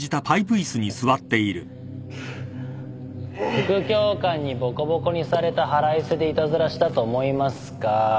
副教官にぼこぼこにされた腹いせでいたずらしたと思いますかぁ？